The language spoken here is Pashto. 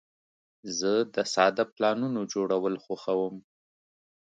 زه د ساده پلانونو جوړول خوښوم.